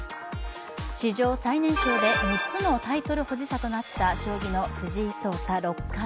史上最年少で６つのタイトル保持者となった将棋の藤井聡太六冠。